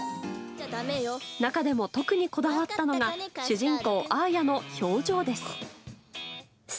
中でも特にこだわったのが主人公アーヤの表情です。